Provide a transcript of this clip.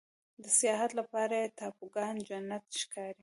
د سیاحت لپاره یې ټاپوګان جنت ښکاري.